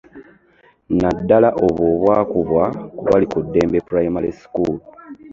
Naddala obwo obwakubwa ku Balikuddembe Primary School